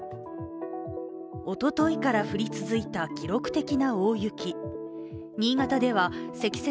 おとといから降り続いた記録的な大雪。